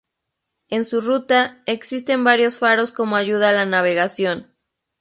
En su ruta existen varios faros como ayuda a la navegación.